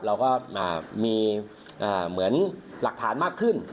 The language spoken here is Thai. เราก็มีเหมือนหลักฐานมากขึ้น